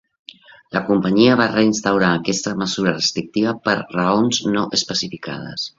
La companyia va reinstaurar aquesta mesura restrictiva per raons no especificades.